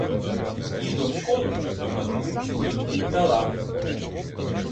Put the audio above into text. І до школи до католицької віддала.